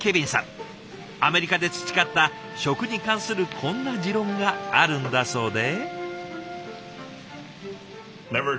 アメリカで培った食に関するこんな持論があるんだそうで。